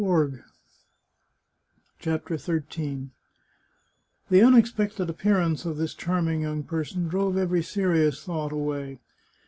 226 CHAPTER XIII The unexpected appearance of this charming young person drove every serious thought away.